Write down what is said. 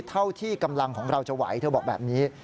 เท่าที่กำลังของเราจะไหวเธอบอกแบบนี้